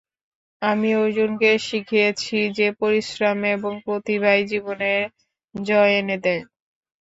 আমি অর্জুনকে শিখিয়েছি যে পরিশ্রম এবং প্রতিভাই জীবনে জয় এনে দেয়।